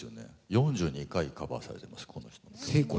４２回カバーされてます。